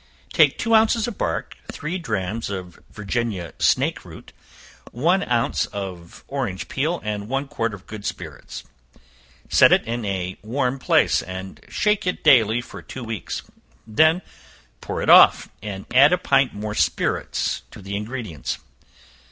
Take two ounces of bark, three drachms of Virginia snake root, one ounce of orange peel, and one quart of good spirits; set it in a warm place, and shake it daily for two weeks; then pour it off, and add a pint more spirits to the ingredients.